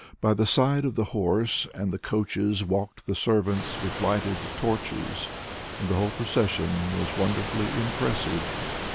By the side of the hearse and the coaches walked the servants with lighted torches, and the whole procession was wonderfully impressive.